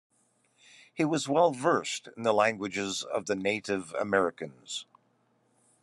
He was well versed in the languages of the Native Americans.